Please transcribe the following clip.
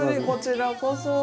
こちらこそ。